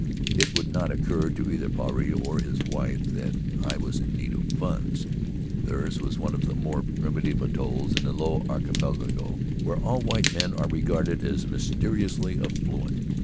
It would not occur to either Puarei or his wife that I was in need of funds. Theirs was one of the more primitive atolls of the Low Archipelago, where all white men are regarded as mysteriously affluent.